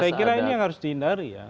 saya kira ini yang harus dihindari ya